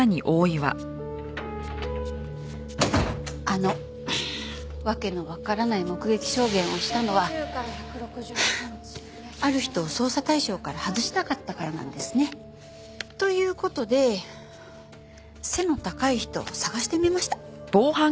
あの訳のわからない目撃証言をしたのはある人を捜査対象から外したかったからなんですね。という事で背の高い人を探してみました。